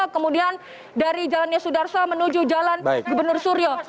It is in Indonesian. kemudian dari jalan yesudarsa menuju jalan gubernur suryo